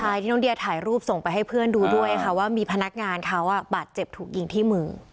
ใช่ที่น้องเดียถ่ายรูปส่งไปให้เพื่อนดูด้วยค่ะว่ามีพนักงานเขาบาดเจ็บถูกยิงที่มือ